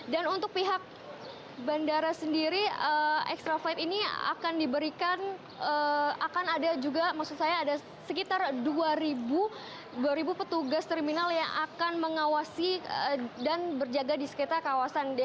dan untuk pihak bandara sendiri extra flight ini akan diberikan akan ada juga maksud saya ada sekitar dua petugas terminal yang akan mengawasi dan berjaga di sekitar kawasan